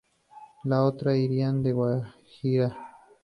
La otra iría por la Guajira.